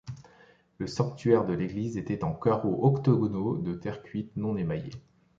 Le sanctuaire de l'église était en carreaux octogonaux de terre cuite non émaillée.